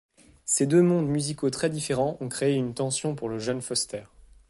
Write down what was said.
Ces deux mondes musicaux très différents ont créé une tension pour le jeune Foster.